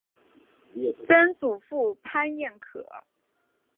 曾祖父潘彦可。